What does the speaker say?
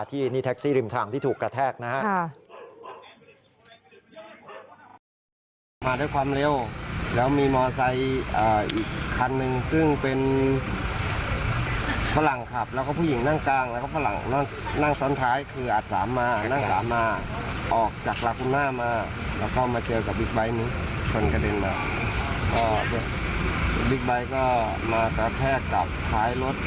ที่นี่แท็กซี่ริมทางที่ถูกกระแทกนะฮะ